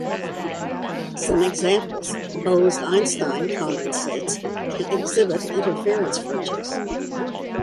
Some examples: Bose-Einstein condensates can exhibit interference fringes.